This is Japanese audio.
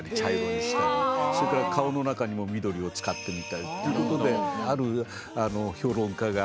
それから顔の中にも緑を使ってみたりということである評論家が